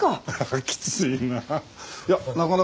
きついな。